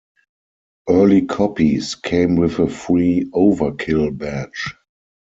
Early copies came with a free "Overkill" badge.